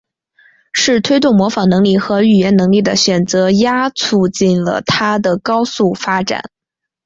是推动模仿能力和语言能力的选择压促成了它的高速发展。